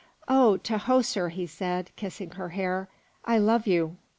"Oh, Tahoser," he said, kissing her hair, "I love you.